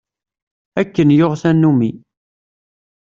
Akken yuɣ tanumi.